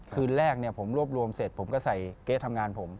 คืนแรกผมรวบรวมเสร็จผมก็ใส่เก๊ทำงานผม